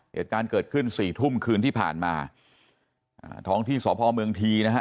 เหตุการณ์เกิดขึ้นสี่ทุ่มคืนที่ผ่านมาอ่าท้องที่สพเมืองทีนะฮะ